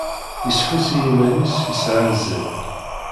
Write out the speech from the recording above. Yesḥus i yiman-is yesɛa azal.